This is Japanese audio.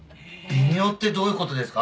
微妙ってどういう事ですか？